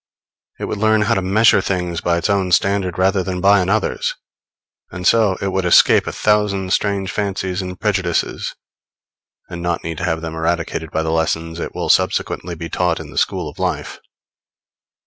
It would learn how to measure things by its own standard rather than by another's; and so it would escape a thousand strange fancies and prejudices, and not need to have them eradicated by the lessons it will subsequently be taught in the school of life.